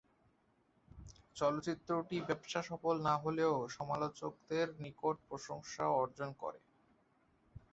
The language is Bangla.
চলচ্চিত্রটি ব্যবসাসফল না হলেও সমালোচকদের নিকট প্রশংসা অর্জন করে।